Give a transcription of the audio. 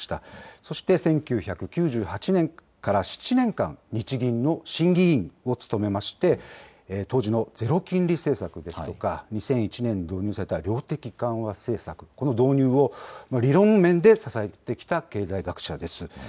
そして１９９８年から７年間、日銀の審議委員を務めまして、当時のゼロ金利政策ですとか、２００１年に導入された量的緩和政策、この導入を理論面で支えてきた経済学者です。